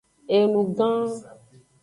Enu gan.